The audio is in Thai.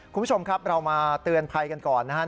คุณผู้ชมครับเรามาเตือนภัยกันก่อนนะครับ